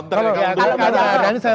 harus counter ya